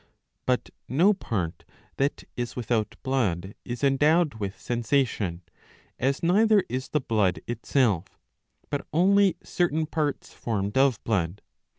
But no part that is without blood is endowed with sensation, as neither is the blood itself, but only certain parts formed of blood.